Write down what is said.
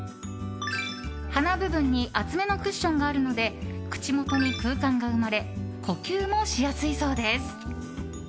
鼻部分に厚めのクッションがあるので口元に空間が生まれ呼吸もしやすいそうです。